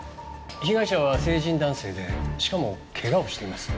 被害者は成人男性でしかもけがをしています。